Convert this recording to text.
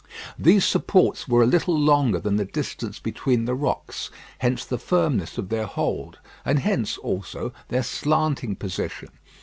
These supports were a little longer than the distance between the rocks. Hence the firmness of their hold; and hence, also, their slanting position.